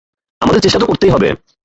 আমাদের চেষ্টা তো করতেই হবে।